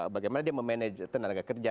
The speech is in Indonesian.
bagaimana dia memanage tenaga kerja